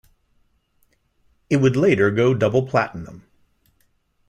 It would later go double platinum.